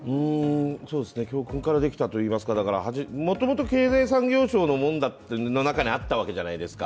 教訓からできたというか、もともと経済産業省の中にあったわけじゃないですか。